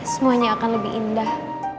semuanya akan lebih indah